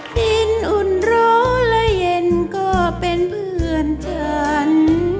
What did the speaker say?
ดินอุ่นร้อนและเย็นก็เป็นเพื่อนฉัน